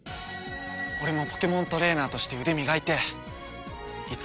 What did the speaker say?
俺もポケモントレーナーとして腕磨いていつかあの舞台で。